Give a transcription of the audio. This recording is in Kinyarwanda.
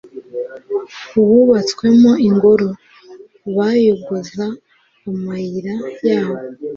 wubatswemo ingoro, bayogoza amayira yawo